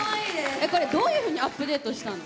えこれどういうふうにアップデートしたの？